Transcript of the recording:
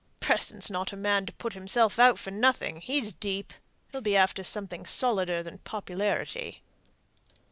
"Preston's not a man to put himself out for nothing. He's deep. He'll be after something solider than popularity."